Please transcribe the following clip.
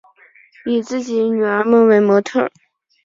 以自己女儿们为模特儿